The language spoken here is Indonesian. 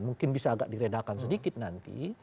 mungkin bisa agak diredakan sedikit nanti